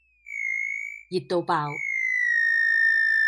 熱到爆